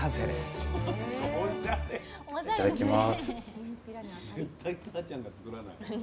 いただきます。